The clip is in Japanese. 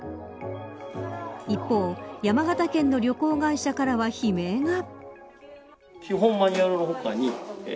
一方、山形県の旅行会社からは悲鳴が。